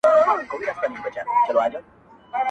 پوليس کور پلټي او سواهد راټولوي ډېر جدي,